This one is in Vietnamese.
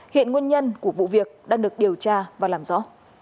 hiện nguyên nhân của vụ việc đang được điều tra và làm rõ